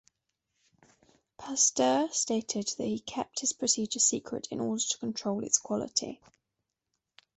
Pasteur stated that he kept his procedure secret in order to control its quality.